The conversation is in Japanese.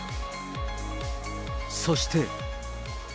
そして。